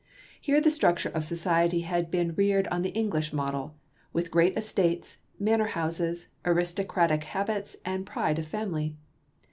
Here the structure of society had been reared on the English model, with great estates, manor houses, aristocratic habits and pride of family.